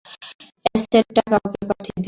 অ্যাসেটটা কাউকে পাঠিয়ে দিয়েছে।